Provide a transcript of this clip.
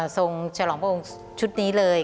ส่งจอดหลอดพระองค์ชุดนี้เลย